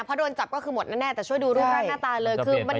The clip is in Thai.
เพราะโดนจับก็คือหมดแน่แต่ช่วยดูรูปร่างหน้าตาเลย